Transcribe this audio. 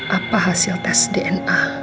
apa hasil tes dna